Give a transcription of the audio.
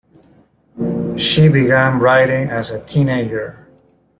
She began writing as a teenager.